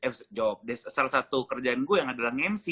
eh job salah satu kerjaan gue yang adalah nge mc